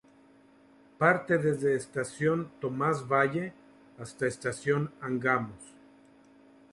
Parte desde Estación Tomás Valle hasta Estación Angamos.